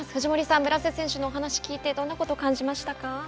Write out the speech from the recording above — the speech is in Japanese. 藤森さん、村瀬選手の話を聞いてどんなことを感じましたか？